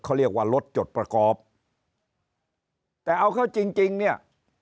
เขาเรียกว่ารถจดประกอบแต่เอาเข้าจริงจริงเนี่ย